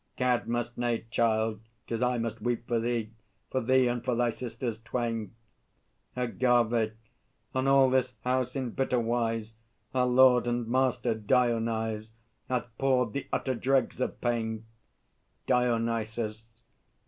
CADMUS. Nay, Child, 'tis I must weep for thee; For thee and for thy sisters twain! AGAVE. On all this house, in bitter wise, Our Lord and Master, Dionyse, Hath poured the utter dregs of pain! DIONYSUS.